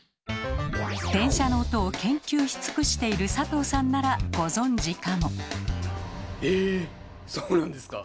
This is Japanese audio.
電車の音を研究し尽くしている佐藤さんならご存じかも。